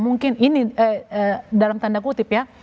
mungkin ini dalam tanda kutip ya